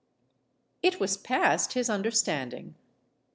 It was past his understanding.